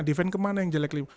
defen kemana yang jelek